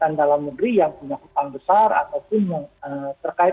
jadi kita harus memberi yang punya hutang besar ataupun yang terkait dengan ekspor import ya